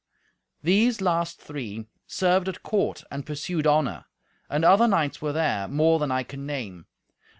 These last three served at court and pursued honour. And other knights were there, more than I can name.